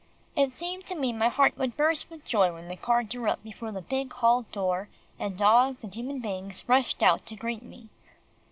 It seemed to me my heart would burst with joy when the car drew up before the big hall door and dogs and human beings rushed out to greet me.